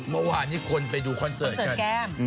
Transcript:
เมื่อวานที่คนไปดูคอนเซิร์ตกันคอนเซิร์ตแก้ม